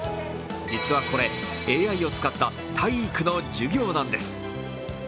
実はこれ、ＡＩを使った体育の授業なんです。